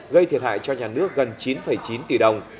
gây thiệt hại cho nhà nước gần chín chín tỷ đồng